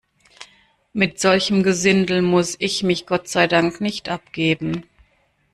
Mit solchem Gesindel muss ich mich Gott sei Dank nicht abgeben.